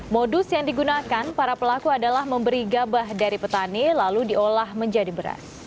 modus yang digunakan para pelaku adalah memberi gabah dari petani lalu diolah menjadi beras